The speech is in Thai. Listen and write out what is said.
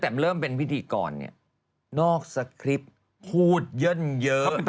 เด้นวิธีกรนอกสคริปต์พูดเยิ่นเยอะ